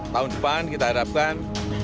tahun depan kita harapkan